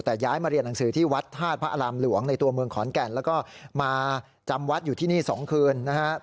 แต่ย้ายมาเรียนหนังสือที่วัดธาตุพระอารามหลวงในตัวเมืองขอนแก่นแล้วก็มาจำวัดอยู่ที่นี่๒คืนนะครับ